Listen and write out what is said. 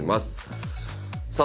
さあ